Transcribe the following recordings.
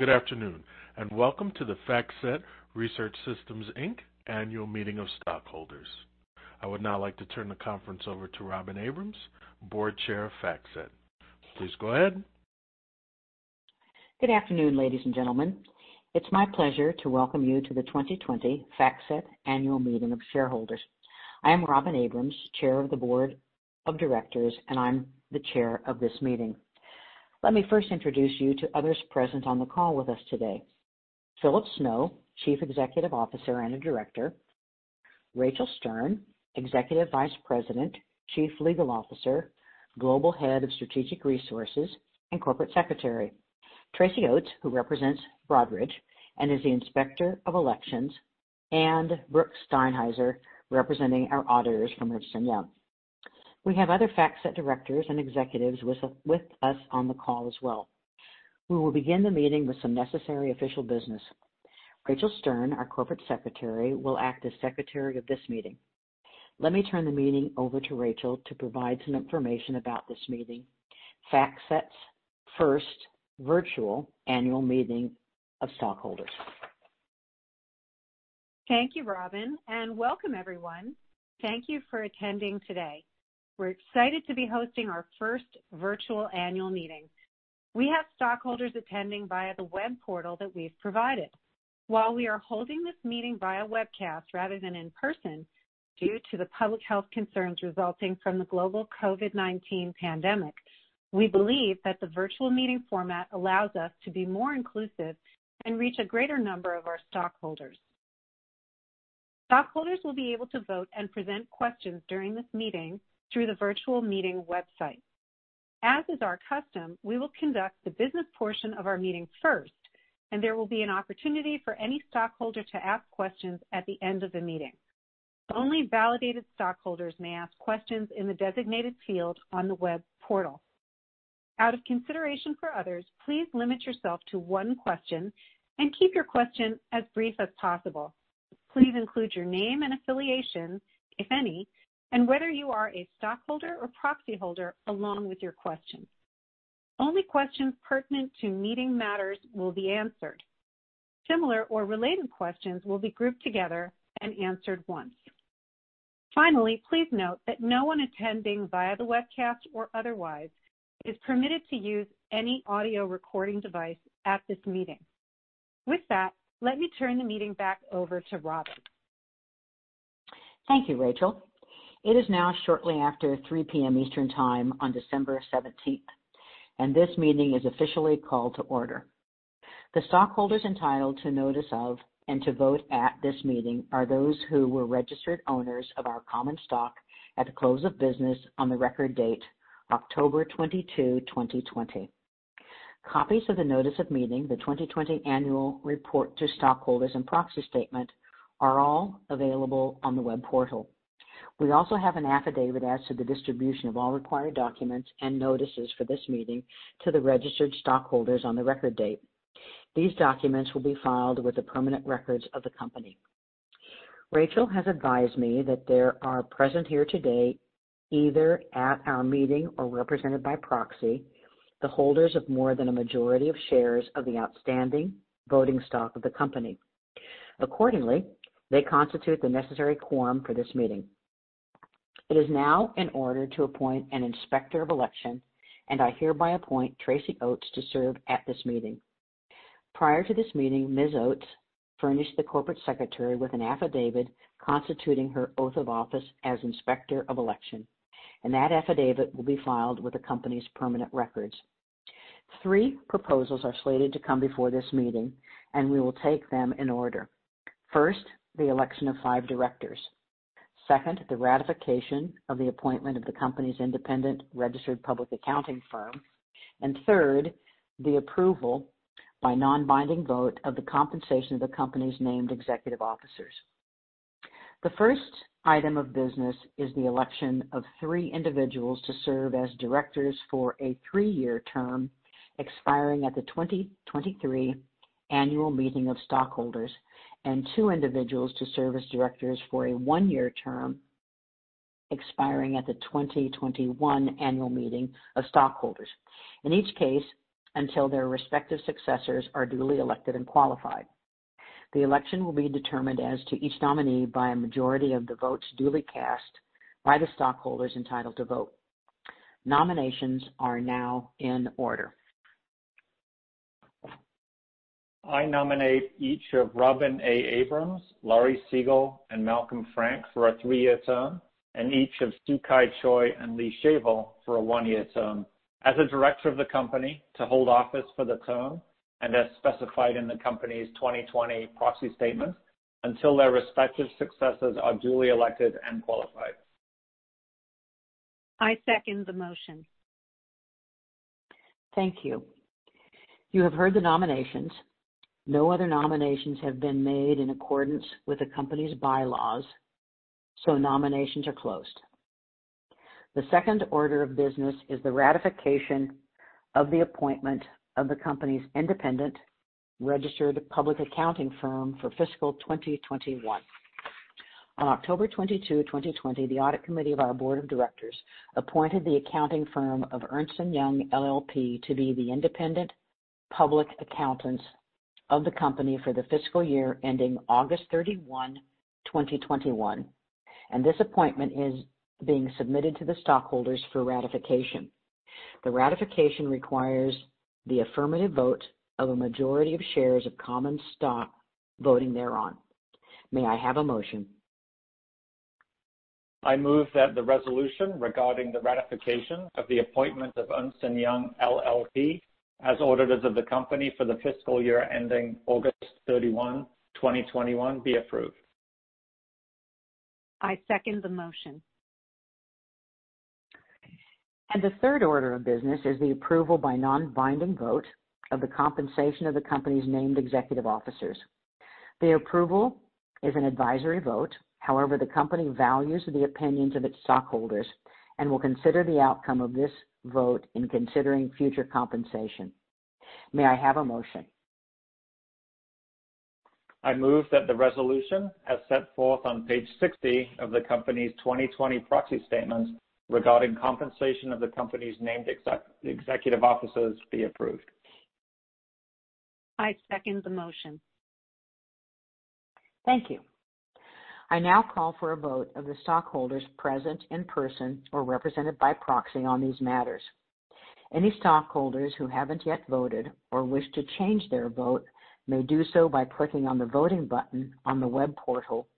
Good afternoon, and welcome to the FactSet Research Systems Inc. annual meeting of stockholders. I would now like to turn the conference over to Robin Abrams, Board Chair of FactSet. Please go ahead. Good afternoon, ladies and gentlemen. It's my pleasure to welcome you to the 2020 FactSet Annual Meeting of Shareholders. I am Robin Abrams, Chair of the Board of Directors, and I'm the chair of this meeting. Let me first introduce you to others present on the call with us today. Philip Snow, Chief Executive Officer and a Director, Rachel Stern, Executive Vice President, Chief Legal Officer, Global Head of Strategic Resources, and Corporate Secretary. Tracy Oates, who represents Broadridge and is the Inspector of Elections, and Brooke Steinhiser, representing our auditors from Ernst & Young. We have other FactSet directors and executives with us on the call as well. We will begin the meeting with some necessary official business. Rachel Stern, our Corporate Secretary, will act as secretary of this meeting. Let me turn the meeting over to Rachel to provide some information about this meeting, FactSet's first virtual annual meeting of stockholders. Thank you, Robin, and welcome everyone. Thank you for attending today. We're excited to be hosting our first virtual annual meeting. We have stockholders attending via the web portal that we've provided. While we are holding this meeting via webcast rather than in person due to the public health concerns resulting from the global COVID-19 pandemic, we believe that the virtual meeting format allows us to be more inclusive and reach a greater number of our stockholders. Stockholders will be able to vote and present questions during this meeting through the virtual meeting website. As is our custom, we will conduct the business portion of our meeting first, and there will be an opportunity for any stockholder to ask questions at the end of the meeting. Only validated stockholders may ask questions in the designated field on the web portal. Out of consideration for others, please limit yourself to one question and keep your question as brief as possible. Please include your name and affiliation, if any, and whether you are a stockholder or proxy holder along with your question. Only questions pertinent to meeting matters will be answered. Similar or related questions will be grouped together and answered once. Finally, please note that no one attending via the webcast or otherwise is permitted to use any audio recording device at this meeting. With that, let me turn the meeting back over to Robin. Thank you, Rachel. It is now shortly after 3:00 P.M. Eastern Time on December 17th, and this meeting is officially called to order. The stockholders entitled to notice of and to vote at this meeting are those who were registered owners of our common stock at the close of business on the record date October 22, 2020. Copies of the notice of meeting, the 2020 annual report to stockholders and proxy statement are all available on the web portal. We also have an affidavit as to the distribution of all required documents and notices for this meeting to the registered stockholders on the record date. These documents will be filed with the permanent records of the company. Rachel has advised me that there are present here today, either at our meeting or represented by proxy, the holders of more than a majority of shares of the outstanding voting stock of the company. Accordingly, they constitute the necessary quorum for this meeting. It is now in order to appoint an Inspector of Election, and I hereby appoint Tracy Oates to serve at this meeting. Prior to this meeting, Ms. Oates furnished the corporate secretary with an affidavit constituting her oath of office as Inspector of Election, and that affidavit will be filed with the company's permanent records. Three proposals are slated to come before this meeting, and we will take them in order. First, the election of five directors. Second, the ratification of the appointment of the company's independent registered public accounting firm. Third, the approval by non-binding vote of the compensation of the company's named executive officers. The first item of business is the election of three individuals to serve as directors for a three-year term expiring at the 2023 annual meeting of stockholders, and two individuals to serve as directors for a one-year term expiring at the 2021 annual meeting of stockholders, in each case, until their respective successors are duly elected and qualified. The election will be determined as to each nominee by a majority of the votes duly cast by the stockholders entitled to vote. Nominations are now in order. I nominate each of Robin A. Abrams, Laurie Siegel, and Malcolm Frank for a three-year term, and each of Siew Kai Choy and Lee Shavel for a one-year term as a director of the company to hold office for the term and as specified in the company's 2020 proxy statement, until their respective successors are duly elected and qualified. I second the motion. Thank you. You have heard the nominations. No other nominations have been made in accordance with the company's bylaws. Nominations are closed. The second order of business is the ratification of the appointment of the company's independent registered public accounting firm for fiscal 2021. On October 22nd, 2020, the audit committee of our board of directors appointed the accounting firm of Ernst & Young LLP to be the independent public accountants of the company for the fiscal year ending August 31st, 2021. This appointment is being submitted to the stockholders for ratification. The ratification requires the affirmative vote of a majority of shares of common stock voting thereon. May I have a motion? I move that the resolution regarding the ratification of the appointment of Ernst & Young LLP as auditors of the company for the fiscal year ending August 31st, 2021, be approved. I second the motion. The third order of business is the approval by non-binding vote of the compensation of the company's named executive officers. The approval is an advisory vote. However, the company values the opinions of its stockholders and will consider the outcome of this vote in considering future compensation. May I have a motion? I move that the resolution, as set forth on page 60 of the company's 2020 proxy statement regarding compensation of the company's named executive officers, be approved. I second the motion. Thank you. I now call for a vote of the stockholders present in person or represented by proxy on these matters. Any stockholders who haven't yet voted or wish to change their vote may do so by clicking on the voting button on the web portal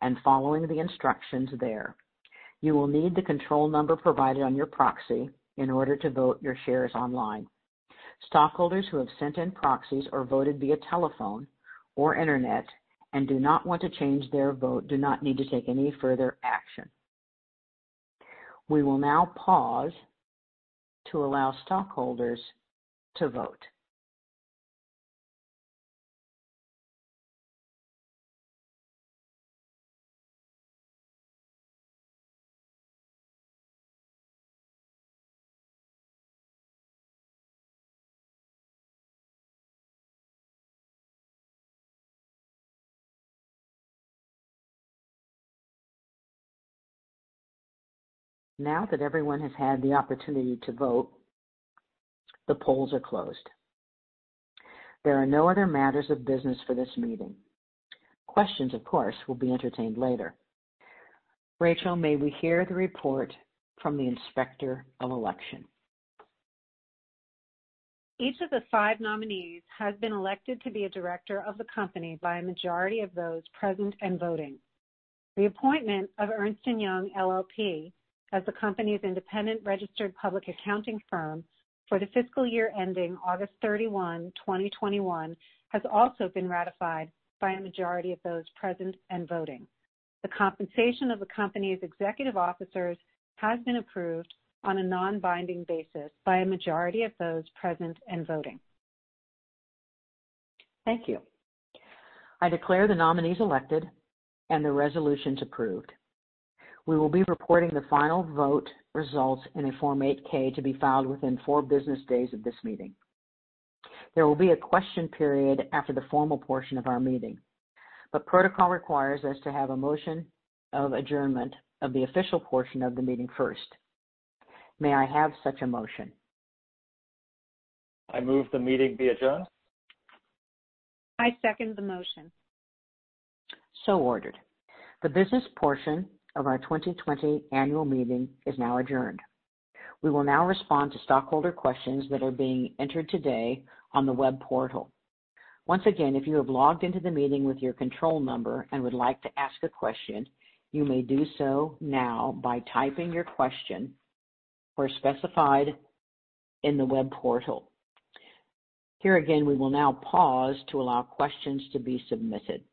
and following the instructions there. You will need the control number provided on your proxy in order to vote your shares online. Stockholders who have sent in proxies or voted via telephone or internet and do not want to change their vote do not need to take any further action. We will now pause to allow stockholders to vote. Now that everyone has had the opportunity to vote, the polls are closed. There are no other matters of business for this meeting. Questions, of course, will be entertained later. Rachel, may we hear the report from the Inspector of Elections? Each of the five nominees has been elected to be a director of the company by a majority of those present and voting. The appointment of Ernst & Young LLP as the company's independent registered public accounting firm for the fiscal year ending August 31st, 2021, has also been ratified by a majority of those present and voting. The compensation of the company's executive officers has been approved on a non-binding basis by a majority of those present and voting. Thank you. I declare the nominees elected and the resolutions approved. We will be reporting the final vote results in a Form 8-K to be filed within four business days of this meeting. There will be a question period after the formal portion of our meeting, but protocol requires us to have a motion of adjournment of the official portion of the meeting first. May I have such a motion? I move the meeting be adjourned. I second the motion. Ordered. The business portion of our 2020 annual meeting is now adjourned. We will now respond to stockholder questions that are being entered today on the web portal. Once again, if you have logged into the meeting with your control number and would like to ask a question, you may do so now by typing your question where specified in the web portal. Here again, we will now pause to allow questions to be submitted.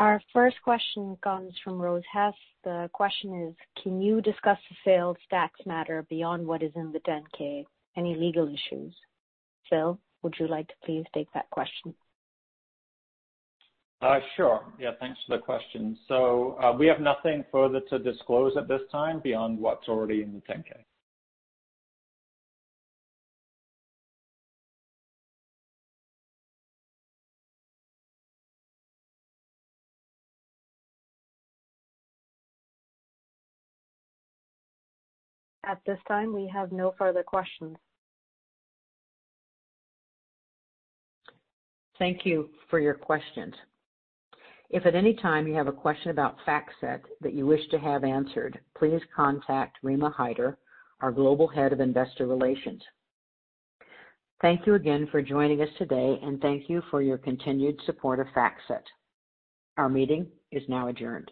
Our first question comes from Rose Hess. The question is, can you discuss the federal tax matter beyond what is in the 10-K? Any legal issues? Phil, would you like to please take that question? Sure. Yeah, thanks for the question. We have nothing further to disclose at this time beyond what's already in the 10-K. At this time, we have no further questions. Thank you for your questions. If at any time you have a question about FactSet that you wish to have answered, please contact Rima Hyder, our Global Head of Investor Relations. Thank you again for joining us today, and thank you for your continued support of FactSet. Our meeting is now adjourned.